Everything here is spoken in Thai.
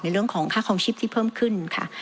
เรื่องของค่าคลองชีพที่เพิ่มขึ้นค่ะ